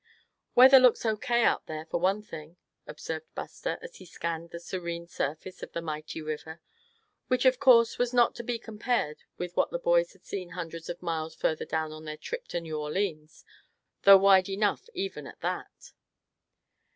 "Weather looks O. K. out there, for one thing," observed Buster, as he scanned the serene surface of the mighty river, which of course was not to be compared with what the boys had seen hundreds of miles further down on their trip to New Orleans, though wide enough even at that.